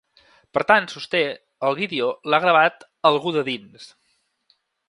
Per tant, sosté, el vídeo l’ha gravat ‘algú de dins’.